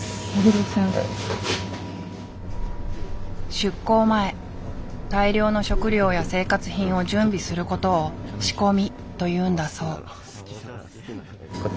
出港前大量の食料や生活品を準備することを「仕込み」というんだそう。